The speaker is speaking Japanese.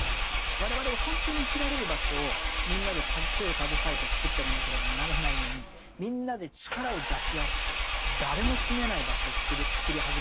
我々が本当に生きられる場所をみんなで手を携えてつくっていかなければならないのにみんなで力を出し合って誰も住めない場所をつくり始めてる。